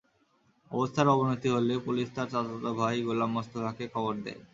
অবস্থার অবনতি হলে পুলিশ তাঁর চাচাতো ভাই গোলাম মোস্তফাকে খবর দেয়।